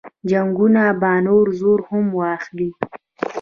جنګونه به نور زور هم واخلي.